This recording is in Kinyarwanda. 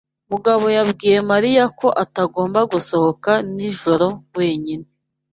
Mugabo yabwiye Mariya ko atagomba gusohoka nijoro wenyine.